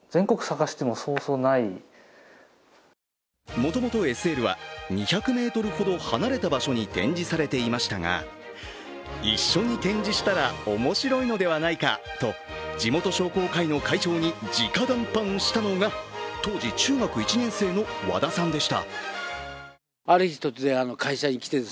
もともとＳＬは２００ｍほど離れた場所に展示されていましたが一緒に展示したら面白いのではないかと地元商工会の会長にじか談判したのが当時中学１年生の和田さんでした。